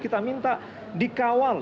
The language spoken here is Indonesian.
kita minta dikawal